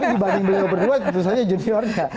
dibanding beliau berdua tentu saja juniornya